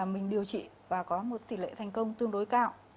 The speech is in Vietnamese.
mình điều trị và có một tỷ lệ thành công tương đối cao